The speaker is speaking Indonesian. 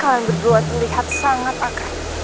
kalian berdua terlihat sangat akan